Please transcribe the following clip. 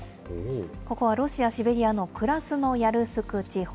ここはロシア・シベリアのクラスノヤルスク地方。